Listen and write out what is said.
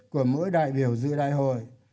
của mỗi đại biểu dự đại hội